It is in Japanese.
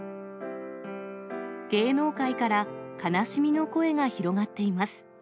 芸能界から、悲しみの声が広がっています。